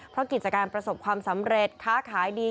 เพราะกิจการประสบความสำเร็จค้าขายดี